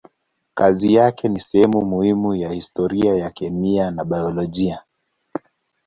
Kazi yake ni sehemu muhimu ya historia ya kemia na biolojia.